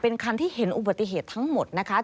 เป็นคันที่เห็นอุบัติเหตุทั้งหมดนะคะ